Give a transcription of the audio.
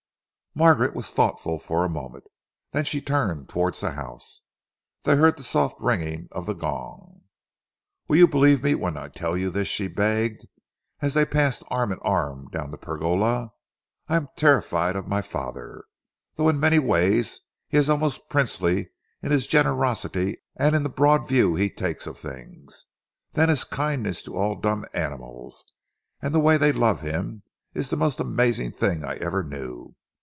Margaret was thoughtful for a moment. Then she turned towards the house. They heard the soft ringing of the gong. "Will you believe me when I tell you this?" she begged, as they passed arm in arm down the pergola. "I am terrified of my father, though in many ways he is almost princely in his generosity and in the broad view he takes of things. Then his kindness to all dumb animals, and the way they love him, is the most amazing thing I ever knew.